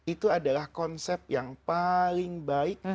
itu adalah konsep yang paling baik